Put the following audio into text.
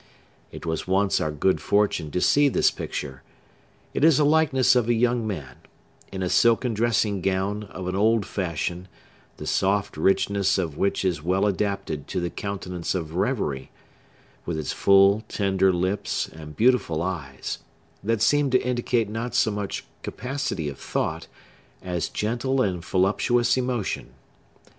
It was once our good fortune to see this picture. It is a likeness of a young man, in a silken dressing gown of an old fashion, the soft richness of which is well adapted to the countenance of reverie, with its full, tender lips, and beautiful eyes, that seem to indicate not so much capacity of thought, as gentle and voluptuous emotion.